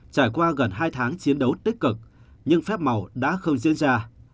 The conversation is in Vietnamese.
trải qua gần hai tháng chiến đấu tích cực nhưng phép màu đã không diễn ra